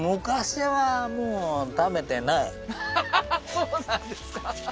そうなんですかははは